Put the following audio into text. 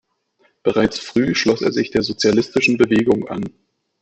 Bereits früh schloss er sich der sozialistischen Bewegung an.